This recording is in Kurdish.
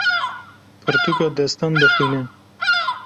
Pirtûka destan dixwîne.